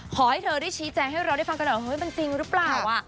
ขอให้เธอได้ชี้แจงให้เราได้ฟังกันหน่อยมันจริงหรือเปล่า